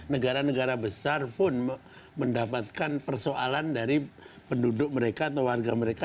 negara negara besar pun mendapatkan persoalan dari penduduk mereka atau warga mereka